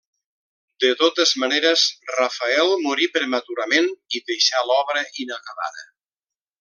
De totes maneres, Rafael morí prematurament i deixà l'obra inacabada.